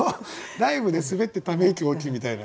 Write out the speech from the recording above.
ライブで滑ってため息大きいみたいな。